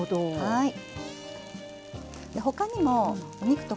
はい。